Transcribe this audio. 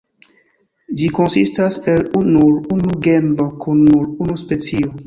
Ĝi konsistas el nur unu genro kun nur unu specio.